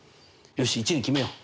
よし１に決めよう。